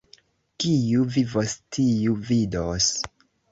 Kiu vivos, tiu vidos.